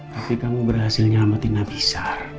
tapi kamu berhasil menyelamatkan nabi sar